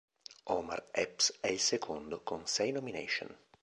Omar Epps è il secondo, con sei nomination.